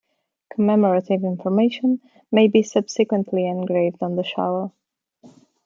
Commemorative information may be subsequently engraved on the shovel.